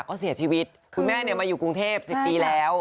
ก็เสียชีวิตคุณแม่มาอยู่กรุงเทพ๑๐ปีแล้ว